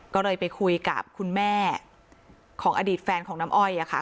ก็เลยไปคุยกับคุณแม่ของอดีตแฟนของน้ำอ้อยค่ะ